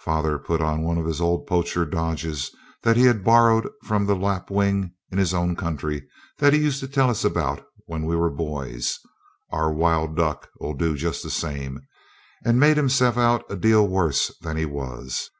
Father put on one of his old poacher dodges that he had borrowed from the lapwing in his own country, that he used to tell us about when we were boys (our wild duck 'll do just the same), and made himself out a deal worse than he was.